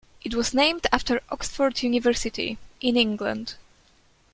It was named after Oxford University, in England.